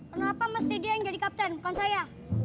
kenapa mesti dia yang jadi kapten bukan saya